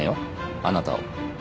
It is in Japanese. あなたを。